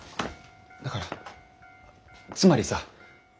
だからつまりさ。